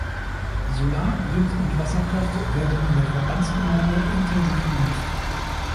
Solar-, Wind- und Wasserkraft werden in der Verbandsgemeinde intensiv genutzt.